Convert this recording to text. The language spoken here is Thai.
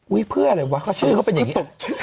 เพื่ออะไรวะเขาชื่อเขาเป็นอย่างนี้